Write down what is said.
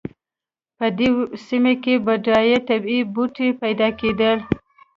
په دې سیمه کې بډایه طبیعي بوټي پیدا کېدل.